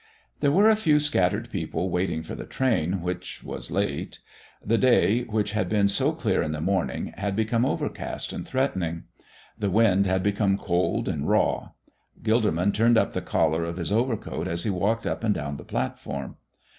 There were a few scattered people waiting for the train, which was late. The day, which had been so clear in the morning, had become overcast and threatening. The wind had become cold and raw. Gilderman turned up the collar of his overcoat as he walked up and down the platform.